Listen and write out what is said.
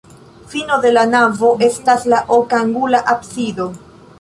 Fino de la navo estas la okangula absido.